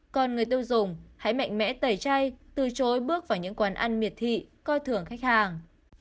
còn người tiêu dùng hãy mạnh mẽ tẩy chay từ chối bước vào những quán ăn miệt thị coi thưởng khách hàng